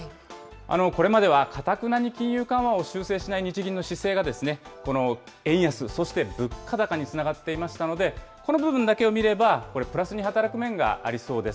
これまではかたくなに金融緩和を修正しない日銀の姿勢が、円安、そして物価高につながっていましたので、この部分だけを見れば、プラスに働く面がありそうです。